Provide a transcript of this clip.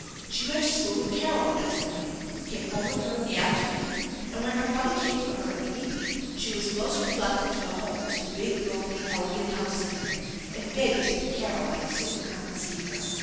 She went to school with Carol the next morning, came home with her in the afternoon, and when her brother came for her in the evening she was most reluctant to go home to the big, lonely, elegant house again, and begged that Carol might soon come and see her.